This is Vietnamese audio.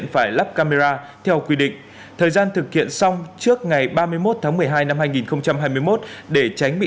phải lắp camera theo quy định thời gian thực hiện xong trước ngày ba mươi một tháng một mươi hai năm hai nghìn hai mươi một để tránh bị